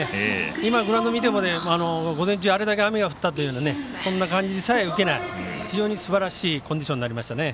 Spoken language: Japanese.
今、グラウンド見ても午前中あれだけ雨が降ったというそんな感じさえ受けない非常にすばらしいコンディションになりましたね。